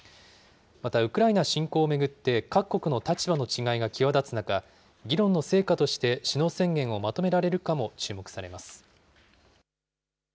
また、ウクライナ侵攻を巡って、各国の立場の違いが際立つ中、議論の成果として首脳宣言をまとめられるかも注目されます。